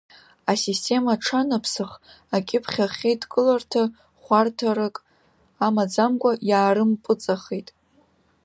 Асистема аҽанаԥсах, акьыԥхь ахеидкыларҭа хәарҭарак амаӡамкәа иаарымпыҵахеит.